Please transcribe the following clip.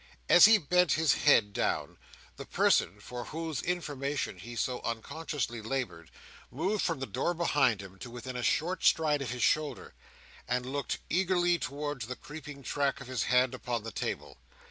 As he bent his head down, the person for whose information he so unconsciously laboured, moved from the door behind him to within a short stride of his shoulder, and looked eagerly towards the creeping track of his hand upon the table.